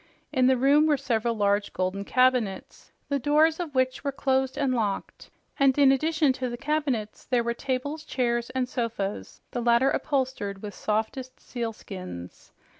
In the room were several large, golden cabinets, the doors of which were closed and locked, and in addition to the cabinets there were tables, chairs and sofas, the latter upholstered with softest sealskins.